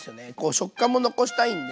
食感も残したいんで。